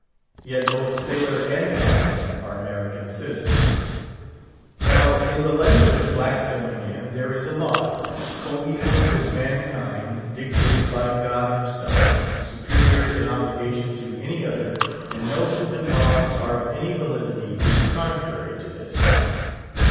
Yet both sailor and captain are American citizens. Now, in the language of Blackstone, again, there is a law, "coeval with mankind, dictated by God himself, superior in obligation to any other, and no human laws are of any validity if contrary to this."